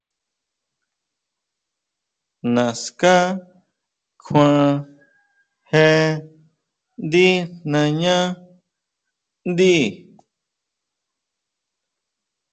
¿Naská kjuan jé ndí nañáʼndí?